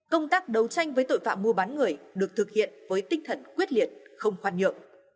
công tác đấu tranh với tội phạm mua bán người được thực hiện với tinh thần quyết liệt không khoan nhượng